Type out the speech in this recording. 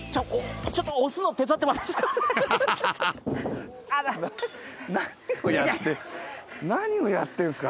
ちょっと押すの手伝ってもらっていいですか？